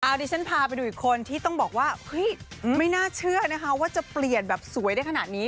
อันนี้ฉันพาไปดูอีกคนที่ต้องบอกว่าเฮ้ยไม่น่าเชื่อนะคะว่าจะเปลี่ยนแบบสวยได้ขนาดนี้